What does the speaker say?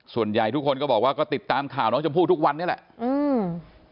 ส่วนใหญ่ทุกคนก็บอกว่าก็ติดตามข่าวน้องชมพู่ทุกวันนี้แหละอืม